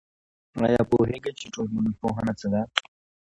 آيا پوهېږئ چي ټولنپوهنه څه ده؟